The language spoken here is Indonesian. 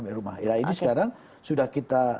milik rumah ya ini sekarang sudah kita